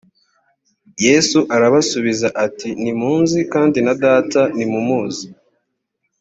yesu arabasubiza ati ntimunzi kandi na data ntimumuzi